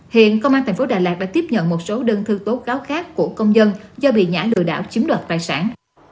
hiện công an tp đà lạt đã tiếp nhận một số đơn thư tố cáo khác của công dân do bị nhã lừa đảo chiếm đoạt tài sản